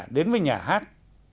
đến với nhà hát